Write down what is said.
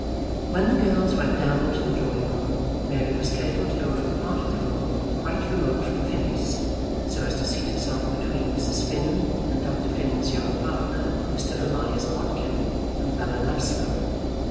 When the girls went down into the drawing room Mary was careful to go to a part of the room quite remote from Phineas, so as to seat herself between Mrs. Finn and Dr. Finn's young partner, Mr. Elias Bodkin, from Ballinasloe.